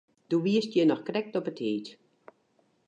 Do wiest hjir noch krekt op 'e tiid.